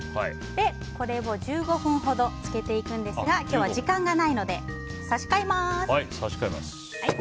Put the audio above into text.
これを１５分ほど漬けていくんですが今日は時間がないので差し替えます。